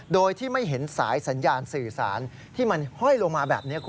โดยที่ไม่เห็นสายสัญญาณสื่อสารที่มันห้อยลงมาแบบนี้คุณ